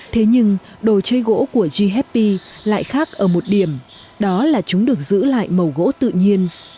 thế nhưng đồ chơi gỗ của ghp lại khác ở một điểm đó là chúng được giữ lại màu gỗ tự nhiên